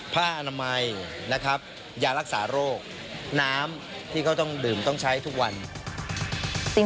อนามัยนะครับยารักษาโรคน้ำที่เขาต้องดื่มต้องใช้ทุกวัน